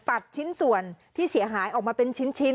ตัดชิ้นส่วนที่เสียหายออกมาเป็นชิ้น